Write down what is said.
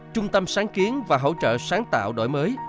trung tâm sáng kiến và hỗ trợ sáng tạo đổi mới